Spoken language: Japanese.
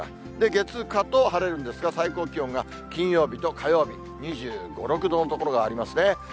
月、火と晴れるんですが、最高気温が金曜日と火曜日、２５、６度の所がありますね。